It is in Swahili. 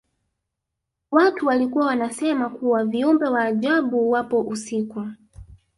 Watu walikuwa wanasema kuwa viumbe wa ajabu wapo usiku